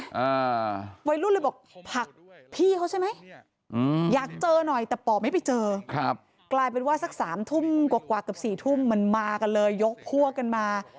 อ่าวัยรุ่นเลยบอกผลักพี่เขาใช่ไหมอืมอยากเจอหน่อยแต่ป่อไม่ไปเจอครับกลายเป็นว่าสักสามทุ่มกว่ากว่าเกือบสี่ทุ่มมันมากันเลยยกพวกกันมา